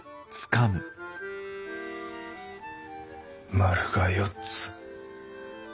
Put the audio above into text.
「丸が４つ」。